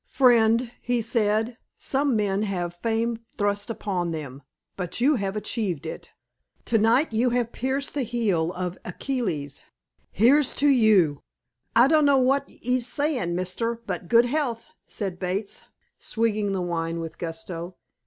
"Friend," he said, "some men have fame thrust upon them, but you have achieved it. To night you pierced the heel of Achilles. Here's to you!" "I dunno wot 'ee's saying mister, but 'good health'," said Bates, swigging the wine with gusto.